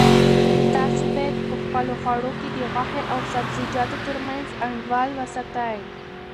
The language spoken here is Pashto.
تاسو باید په خپلو خوړو کې د غوښې او سبزیجاتو ترمنځ انډول وساتئ.